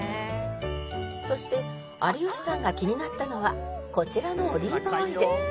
そして有吉さんが気になったのはこちらのオリーブオイル